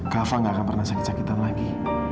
kava gak akan pernah sakit sakitan lagi